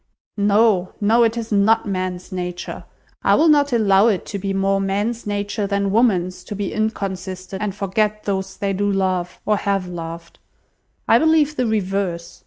"No, no, it is not man's nature. I will not allow it to be more man's nature than woman's to be inconstant and forget those they do love, or have loved. I believe the reverse.